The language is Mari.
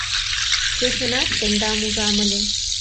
Кечынат тендам ужам ыле